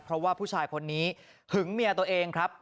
เพราะว่าผู้ชายคนนี้หึงเมียตัวเองครับ